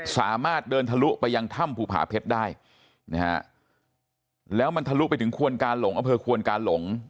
สามารถเดินทะลุไปยังถ้ำภูผาเพชรได้แล้วมันทะลุไปถึงควรการหลง